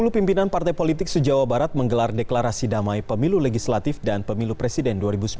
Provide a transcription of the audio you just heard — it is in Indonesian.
sepuluh pimpinan partai politik se jawa barat menggelar deklarasi damai pemilu legislatif dan pemilu presiden dua ribu sembilan belas